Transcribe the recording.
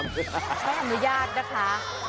ขออนุญาตนะคะ